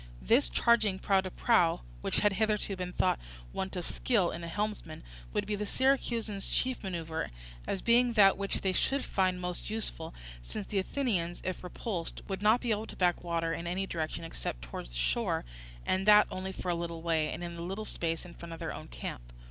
This charging prow to prow, which had hitherto been thought want of skill in a helmsman, would be the Syracusans' chief manoeuvre, as being that which they should find most useful, since the Athenians, if repulsed, would not be able to back water in any direction except towards the shore, and that only for a little way, and in the little space in front of their own camp.